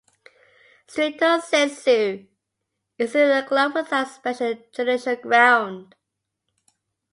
"Stricto sensu", it is a club without a special judicial ground.